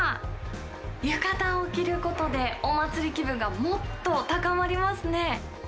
浴衣を着ることで、お祭り気分がもっと高まりますね。